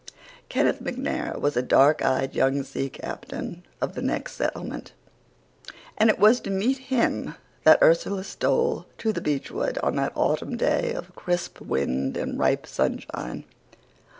Kenneth MacNair was a dark eyed young sea captain of the next settlement, and it was to meet him that Ursula stole to the beechwood on that autumn day of crisp wind and ripe sunshine.